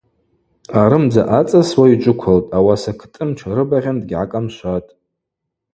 Арымдза ацӏасуа йджвыквылтӏ, Ауаса Кӏтӏым тширыбагъьан дгьгӏакӏамшватӏ.